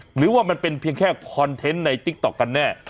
หรือว่ามันเป็นเพียงแค่คอนเทนต์ในติ๊กต๊อกกันแน่